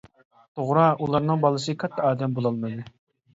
توغرا، ئۇلارنىڭ بالىسى كاتتا ئادەم بولالمىدى.